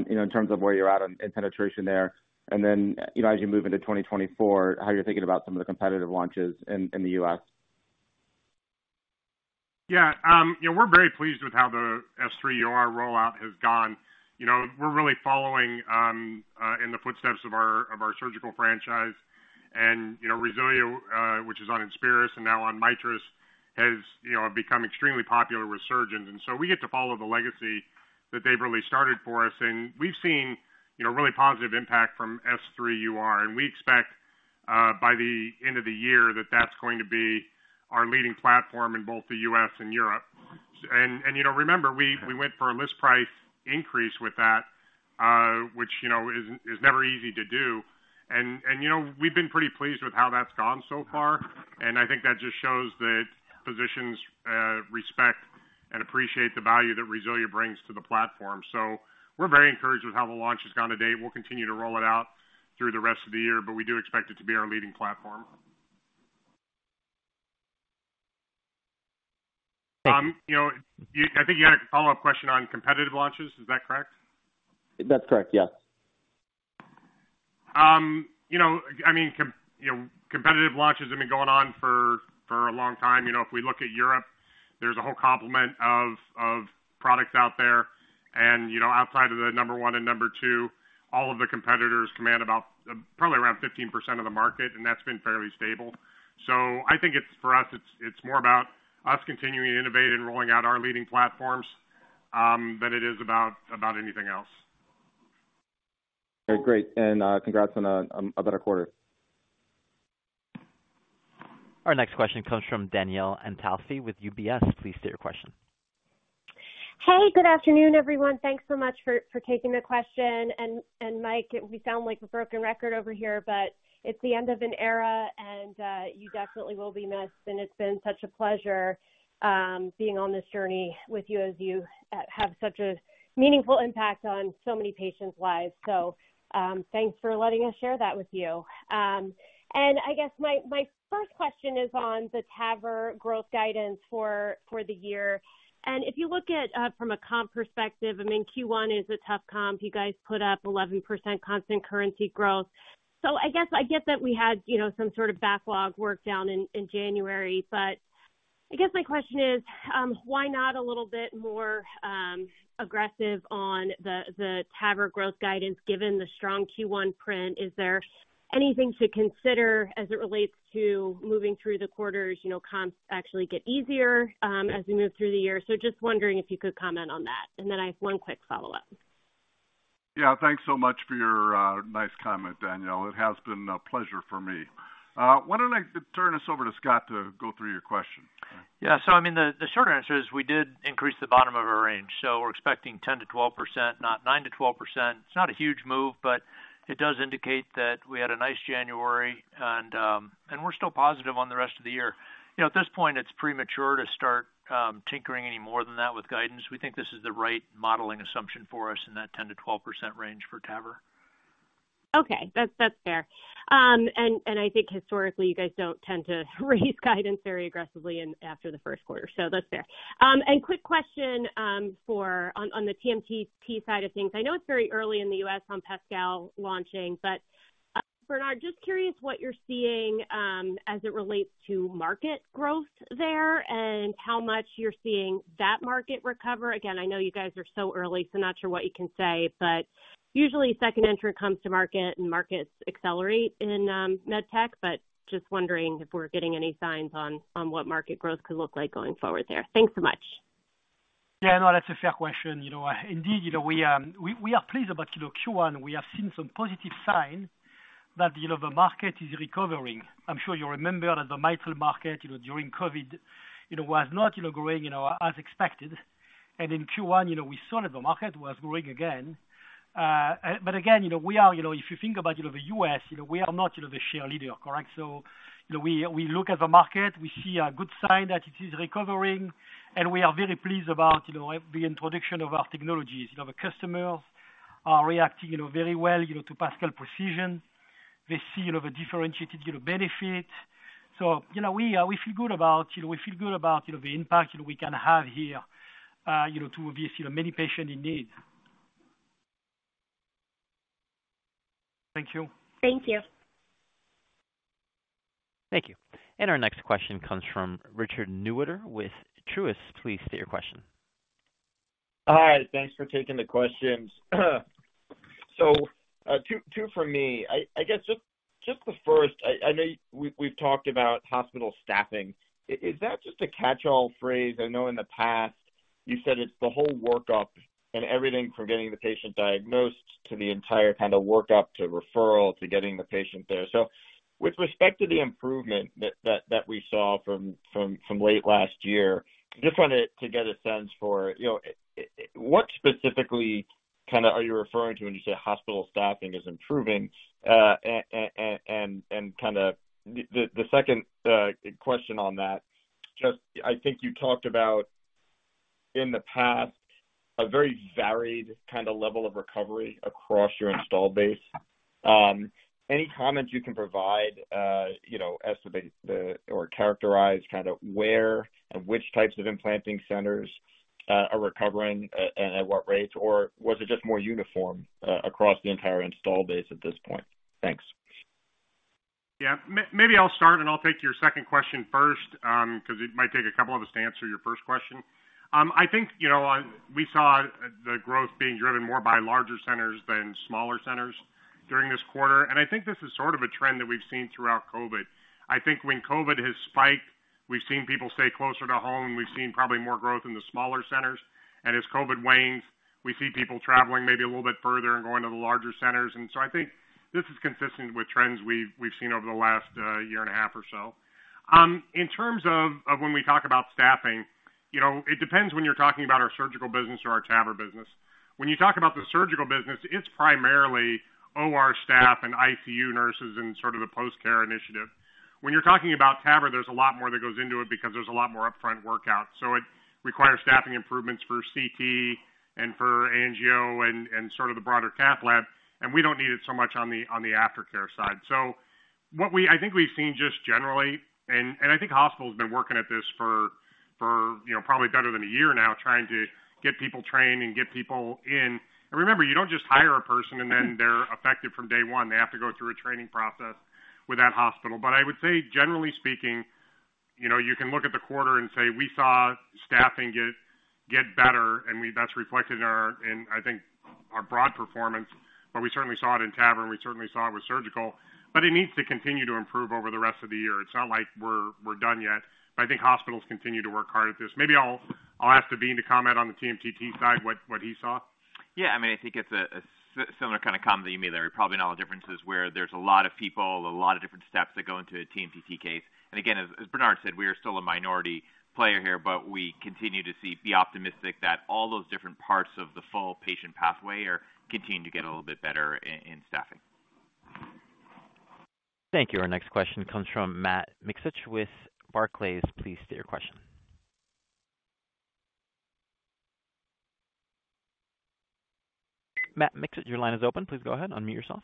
you know, in terms of where you're at in penetration there. Then, you know, as you move into 2024, how you're thinking about some of the competitive launches in the US. You know, we're very pleased with how the S3UR rollout has gone. You know, we're really following in the footsteps of our, of our surgical franchise. You know, RESILIA, which is on INSPIRIS and now on MITRIS RESILIA, has, you know, become extremely popular with surgeons. So we get to follow the legacy that they've really started for us. We've seen, you know, really positive impact from S3UR, and we expect by the end of the year that that's going to be our leading platform in both the U.S. and Europe. You know, remember, we went for a list price increase with that, which, you know, is never easy to do. You know, we've been pretty pleased with how that's gone so far, and I think that just shows that physicians respect and appreciate the value that RESILIA brings to the platform. We're very encouraged with how the launch has gone to date. We'll continue to roll it out through the rest of the year, but we do expect it to be our leading platform. You know, I think you had a follow-up question on competitive launches. Is that correct? That's correct, yes. You know, I mean, you know, competitive launches have been going on for a long time. You know, if we look at Europe, there's a whole complement of products out there. You know, outside of the number one and number two, all of the competitors command about, probably around 15% of the market, and that's been fairly stable. I think it's, for us, it's more about us continuing to innovate and rolling out our leading platforms, than it is about anything else. Okay, great. congrats on a better quarter. Our next question comes from Danielle Antalffy with UBS. Please state your question. Hey, good afternoon, everyone. Thanks so much for taking the question. Mike, it may sound like a broken record over here, but it's the end of an era and you definitely will be missed. It's been such a pleasure, being on this journey with you as you have such a meaningful impact on so many patients' lives. Thanks for letting us share that with you. I guess my first question is on the TAVR growth guidance for the year. If you look at from a comp perspective, I mean, Q1 is a tough comp. You guys put up 11% constant currency growth. I guess I get that we had, you know, some sort of backlog work down in January. I guess my question is, why not a little bit more aggressive on the TAVR growth guidance given the strong Q1 print? Is there anything to consider as it relates to moving through the quarters? You know, comps actually get easier as we move through the year. Just wondering if you could comment on that. I have one quick follow-up. Thanks so much for your nice comment, Danielle. It has been a pleasure for me. Why don't I turn this over to Scott to go through your question? Yeah. I mean, the short answer is we did increase the bottom of our range. We're expecting 10 to 12%, not 9 to 12%. It's not a huge move, but it does indicate that we had a nice January and we're still positive on the rest of the year. You know, at this point, it's premature to start tinkering any more than that with guidance. We think this is the right modeling assumption for us in that 10 to 12% range for TAVR. Okay. That's fair. I think historically, you guys don't tend to raise guidance very aggressively after the Q1, so that's fair. Quick question, for on the TMTT side of things. I know it's very early in the U.S. on PASCAL launching, but Bernard, just curious what you're seeing as it relates to market growth there and how much you're seeing that market recover. Again, I know you guys are so early, so not sure what you can say, but usually second entrant comes to market and markets accelerate in MedTech. Just wondering if we're getting any signs on what market growth could look like going forward there. Thanks so much. Yeah, no, that's a fair question. You know, indeed, you know, we are pleased about, you know, Q1. We have seen some positive signs that, you know, the market is recovering. I'm sure you remember that the mitral market, you know, during COVID, you know, was not, you know, growing, you know, as expected. In Q1, you know, we saw that the market was growing again. Again, you know, we are, you know, if you think about it, of the U.S., you know, we are not, you know, the share leader, correct? You know, we look at the market, we see a good sign that it is recovering, and we are very pleased about, you know, the introduction of our technologies. You know, the customers are reacting, you know, very well, you know, to PASCAL Precision. They see, you know, the differentiated, you know, benefit. you know, we feel good about, you know, the impact, you know, we can have here, you know, to obviously the many patients in need. Thank you. Thank you. Thank you. Our next question comes from Richard Newitter with Truist. Please state your question. Hi. Thanks for taking the questions. Two, two for me. I guess the first. I know we've talked about hospital staffing. Is that just a catch-all phrase? I know in the past you said it's the whole workup and everything from getting the patient diagnosed to the entire kind of workup to referral to getting the patient there. With respect to the improvement that we saw from late last year, just wanted to get a sense for, you know, what specifically kinda are you referring to when you say hospital staffing is improving? Kinda the second question on that, just I think you talked about in the past a very varied kinda level of recovery across your install base. Any comments you can provide, you know, as to the or characterize kinda where and which types of implanting centers are recovering and at what rates, or was it just more uniform across the entire install base at this point? Thanks. Yeah. Maybe I'll start, I'll take your second question first, cause it might take 2 of us to answer your first question. I think, you know, we saw the growth being driven more by larger centers than smaller centers during this quarter. I think this is sort of a trend that we've seen throughout COVID. I think when COVID has spiked, we've seen people stay closer to home. We've seen probably more growth in the smaller centers. As COVID wanes, we see people traveling maybe a little bit further and going to the larger centers. I think this is consistent with trends we've seen over the last year and a half or so. In terms of when we talk about staffing, you know, it depends when you're talking about our surgical business or our TAVR business. When you talk about the surgical business, it's primarily OR staff and ICU nurses and sort of the post-care initiative. When you're talking about TAVR, there's a lot more that goes into it because there's a lot more upfront workout. It requires staffing improvements for CT and for angio and sort of the broader cath lab, and we don't need it so much on the aftercare side. I think we've seen just generally, and I think hospitals have been working at this for, you know, probably better than a year now, trying to get people trained and get people in. Remember, you don't just hire a person, and then they're effective from day one. They have to go through a training process with that hospital. I would say, generally speaking, you know, you can look at the quarter and say, we saw staffing get better, and that's reflected in our, I think, our broad performance. We certainly saw it in TAVR, and we certainly saw it with surgical. It needs to continue to improve over the rest of the year. It's not like we're done yet. I think hospitals continue to work hard at this. Maybe I'll ask Naveen to comment on the TMTT side, what he saw. Yeah. I mean, I think it's a similar kind of comment that you made there. Probably not all the differences where there's a lot of people, a lot of different steps that go into a TMTT case. Again, as Bernard said, we are still a minority player here, but we continue to be optimistic that all those different parts of the full patient pathway are continuing to get a little bit better in staffing. Thank you. Our next question comes from Matt Miksic with Barclays. Please state your question. Matt Miksic, your line is open. Please go ahead, unmute yourself.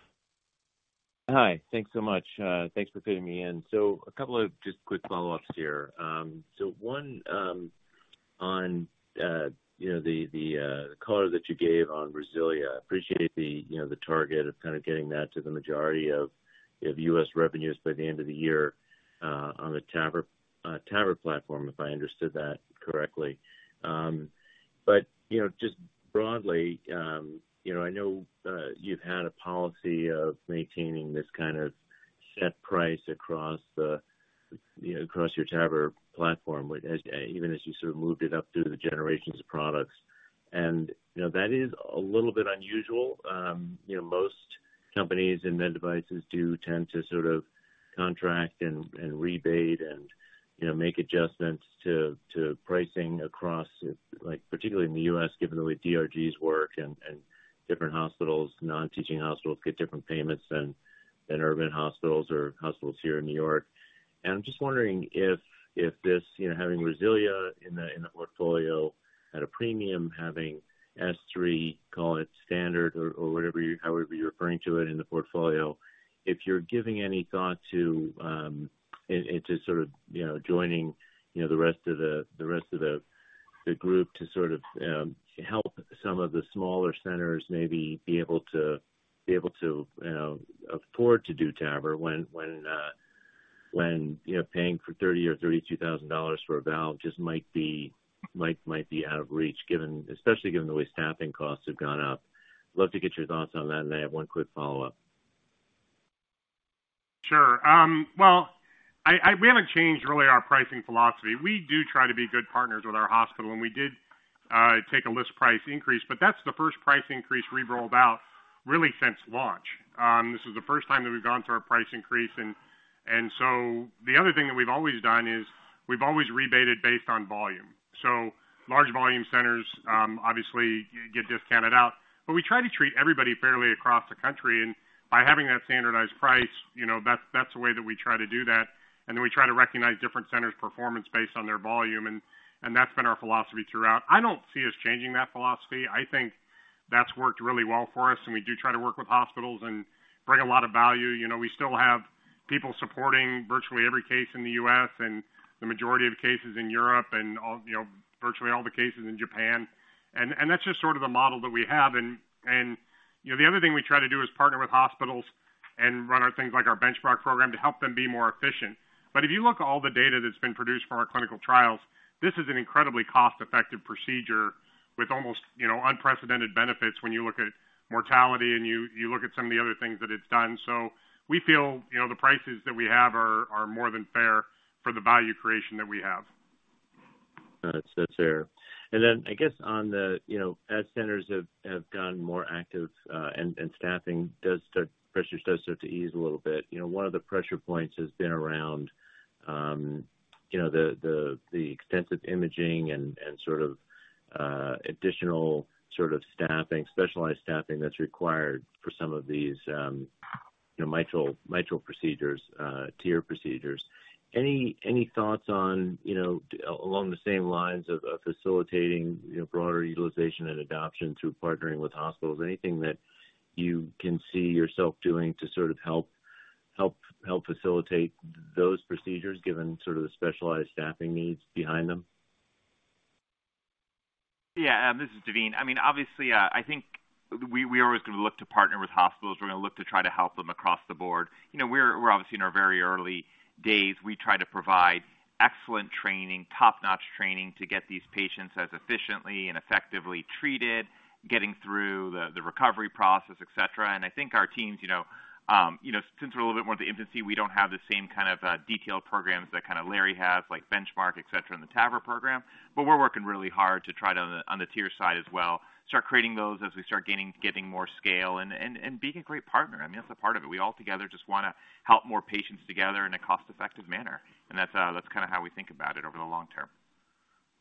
Hi. Thanks so much. Thanks for fitting me in. A couple of just quick follow-ups here. One, on, you know, the color that you gave on RESILIA. I appreciate the, you know, the target of kind of getting that to the majority of, you know, the U.S. revenues by the end of the year on the TAVR platform, if I understood that correctly. You know, just broadly, you know, I know you've had a policy of maintaining this kind of set price across the, you know, across your TAVR platform, which as, even as you sort of moved it up through the generations of products. You know, that is a little bit unusual. you know, most companies in med devices do tend to sort of contract and rebate and, you know, make adjustments to pricing across, like particularly in the U.S., given the way DRGs work and different hospitals, non-teaching hospitals get different payments than urban hospitals or hospitals here in New York. I'm just wondering if this, you know, having RESILIA in the, in the portfolio at a premium, having S3, call it standard or, however you're referring to it in the portfolio, if you're giving any thought to, into sort of, you know, joining, you know, the rest of the group to sort of, help some of the smaller centers maybe be able to, you know, afford to do TAVR when, you know, paying for $30,000 or $32,000 for a valve just might be out of reach given, especially given the way staffing costs have gone up. I'd love to get your thoughts on that. I have one quick follow-up. Sure. Well, we haven't changed really our pricing philosophy. We do try to be good partners with our hospital, and we did take a list price increase, but that's the first price increase we've rolled out really since launch. This is the first time that we've gone through our price increase. The other thing that we've always done is we've always rebated based on volume. So large volume centers obviously get discounted out, but we try to treat everybody fairly across the country. By having that standardized price, you know, that's the way that we try to do that. Then we try to recognize different centers' performance based on their volume, and that's been our philosophy throughout. I don't see us changing that philosophy. I think that's worked really well for us. We do try to work with hospitals and bring a lot of value. You know, we still have people supporting virtually every case in the U.S. and the majority of cases in Europe and all, you know, virtually all the cases in Japan. That's just sort of the model that we have. You know, the other thing we try to do is partner with hospitals and run our things like our Benchmark program to help them be more efficient. If you look at all the data that's been produced for our clinical trials, this is an incredibly cost-effective procedure with almost, you know, unprecedented benefits when you look at mortality and you look at some of the other things that it's done. We feel, you know, the prices that we have are more than fair for the value creation that we have. That's fair. Then I guess on the, you know, as centers have gotten more active, and staffing Pressure does start to ease a little bit, you know, one of the pressure points has been around, you know, the extensive imaging and sort of additional sort of staffing, specialized staffing that's required for some of these, you know, mitral procedures, TR procedures. Any thoughts on, you know, along the same lines of facilitating, you know, broader utilization and adoption through partnering with hospitals? Anything that you can see yourself doing to sort of help facilitate those procedures given sort of the specialized staffing needs behind them? Yeah, this is Daveen. I mean, obviously, I think we're always gonna look to partner with hospitals. We're gonna look to try to help them across the board. You know, we're obviously in our very early days. We try to provide excellent training, top-notch training to get these patients as efficiently and effectively treated, getting through the recovery process, et cetera. I think our teams, you know, since we're a little bit more into infancy, we don't have the same kind of detailed programs that kind of Larry has, like Benchmark, et cetera, and the TAVR program. We're working really hard to try to, on the tier side as well, start creating those as we start getting more scale and being a great partner. I mean, that's a part of it. We all together just wanna help more patients together in a cost-effective manner. That's kinda how we think about it over the long term.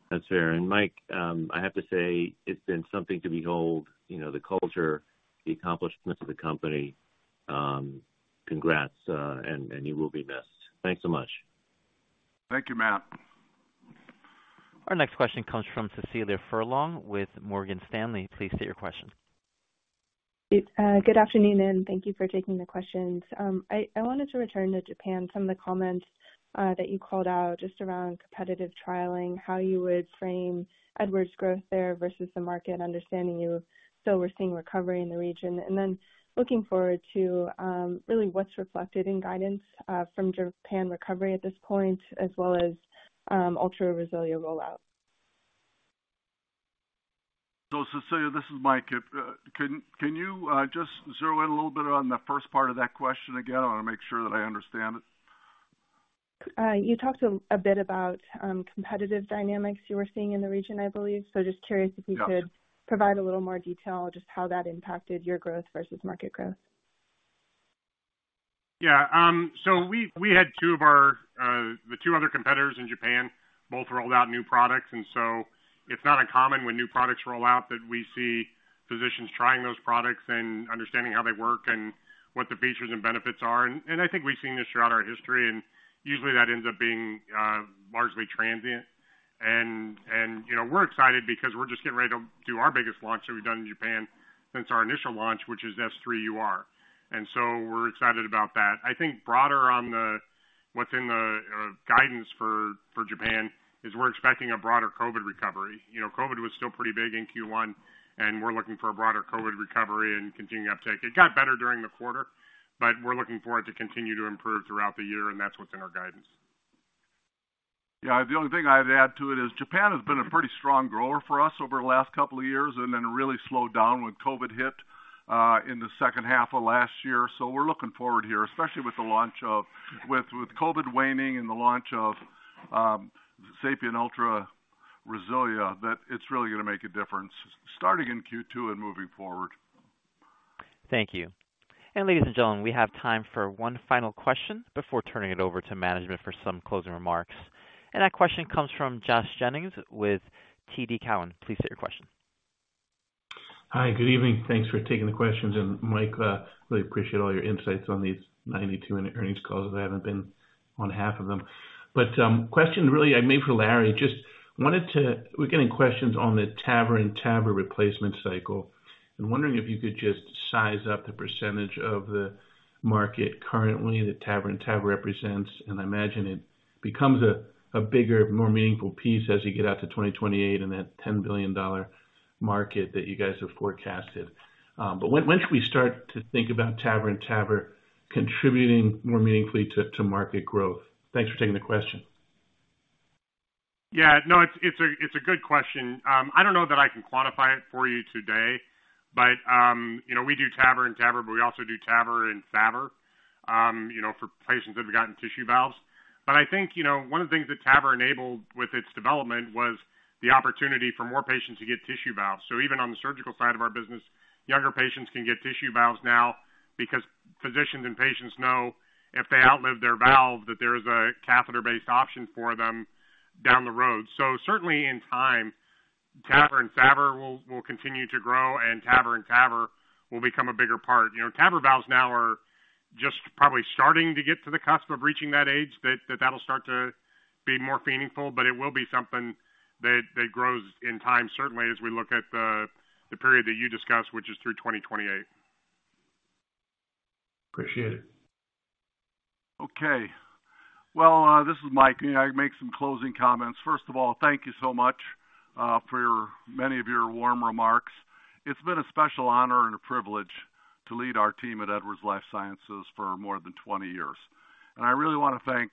That's fair. Mike, I have to say it's been something to behold, you know, the culture, the accomplishments of the company. Congrats, and you will be missed. Thanks so much. Thank you, Matt. Our next question comes from Cecilia Furlong with Morgan Stanley. Please state your question. Good afternoon, and thank you for taking the questions. I wanted to return to Japan, some of the comments that you called out just around competitive trialing, how you would frame Edwards' growth there versus the market, understanding you're still seeing recovery in the region. Looking forward to really what's reflected in guidance from Japan recovery at this point, as well as Ultra RESILIA rollout. Cecilia, this is Mike. If, can you, just zero in a little bit on the first part of that question again? I wanna make sure that I understand it. You talked a bit about competitive dynamics you were seeing in the region, I believe. Just curious if you could? Yeah. Provide a little more detail, just how that impacted your growth versus market growth. We had 2 of our, the 2 other competitors in Japan both rolled out new products. It's not uncommon when new products roll out that we see physicians trying those products and understanding how they work and what the features and benefits are. I think we've seen this throughout our history, usually that ends up being largely transient. You know, we're excited because we're just getting ready to do our biggest launch that we've done in Japan since our initial launch, which is S3UR. We're excited about that. I think broader what's in the guidance for Japan is we're expecting a broader COVID recovery. You know, COVID was still pretty big in Q1, and we're looking for a broader COVID recovery and continued uptake. It got better during the quarter, but we're looking for it to continue to improve throughout the year, and that's what's in our guidance. Yeah. The only thing I'd add to it is Japan has been a pretty strong grower for us over the last couple of years, and then really slowed down when COVID hit in the H2 of last year. We're looking forward here, especially with COVID waning and the launch of SAPIEN Ultra RESILIA, that it's really gonna make a difference starting in Q2 and moving forward. Thank you. Ladies and gentlemen, we have time for one final question before turning it over to management for some closing remarks. That question comes from Josh Jennings with TD Cowen. Please state your question. Hi. Good evening. Thanks for taking the questions. Mike, really appreciate all your insights on these 92-minute earnings calls, as I haven't been on half of them. Question really I made for Larry, we're getting questions on the TAVR and TAVR replacement cycle. I'm wondering if you could just size up the percentage of the market currently that TAVR in TAVR represents, and I imagine it becomes a bigger, more meaningful piece as you get out to 2028 and that $10 billion market that you guys have forecasted. When should we start to think about TAVR in TAVR contributing more meaningfully to market growth? Thanks for taking the question. No, it's a good question. I don't know that I can quantify it for you today, but, you know, we do TAVR in TAVR, but we also do TAVR in SAVR, you know, for patients that have gotten tissue valves. I think, you know, one of the things that TAVR enabled with its development was the opportunity for more patients to get tissue valves. Even on the surgical side of our business, younger patients can get tissue valves now because physicians and patients know if they outlive their valve, that there is a catheter-based option for them down the road. Certainly in time, TAVR and SAVR will continue to grow and TAVR in TAVR will become a bigger part. You know, TAVR valves now are just probably starting to get to the cusp of reaching that age that'll start to be more meaningful, but it will be something that grows in time, certainly as we look at the period that you discussed, which is through 2028. Appreciate it. Okay. Well, this is Mike. I'll make some closing comments. First of all, thank you so much for many of your warm remarks. It's been a special honor and a privilege to lead our team at Edwards Lifesciences for more than 20 years. I really wanna thank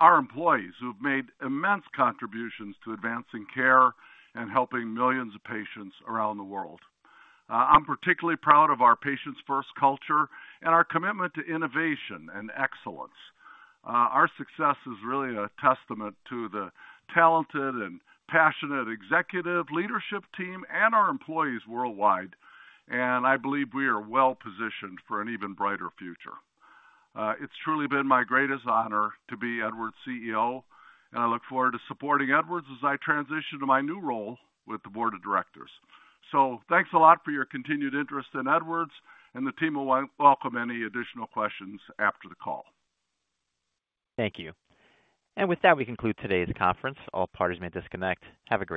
our employees who have made immense contributions to advancing care and helping millions of patients around the world. I'm particularly proud of our Patients First culture and our commitment to innovation and excellence. Our success is really a testament to the talented and passionate executive leadership team and our employees worldwide, I believe we are well-positioned for an even brighter future. It's truly been my greatest honor to be Edwards' CEO, I look forward to supporting Edwards as I transition to my new role with the board of directors. Thanks a lot for your continued interest in Edwards, and the team will welcome any additional questions after the call. Thank you. With that, we conclude today's conference. All parties may disconnect. Have a great day.